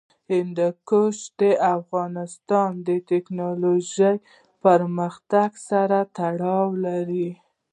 هندوکش د افغانستان د تکنالوژۍ پرمختګ سره تړاو لري.